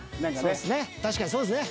確かにそうですね